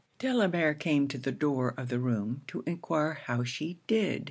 Delamere came to the door of the room to enquire how she did.